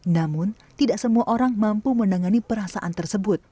namun tidak semua orang mampu menangani perasaan tersebut